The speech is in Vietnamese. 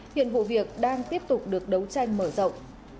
hiện vụ việc đang tiếp tục được đấu tranh mở rộng